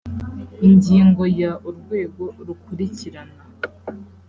ingingo ya urwego rukurikirana